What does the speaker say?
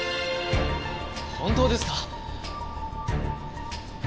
本当ですか？